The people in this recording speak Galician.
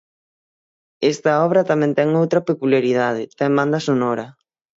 Esta obra tamén ten outra peculiaridade, ten banda sonora.